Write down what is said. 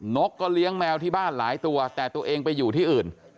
กก็เลี้ยงแมวที่บ้านหลายตัวแต่ตัวเองไปอยู่ที่อื่น